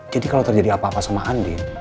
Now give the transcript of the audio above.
jadi kalau terjadi apa apa sama andin